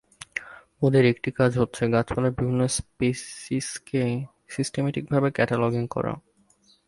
ওদের একটি কাজই হচ্ছে গাছপালার বিভিন্ন স্পেসিসকে সিসটেমেটিকভাবে ক্যাটালগিং করা!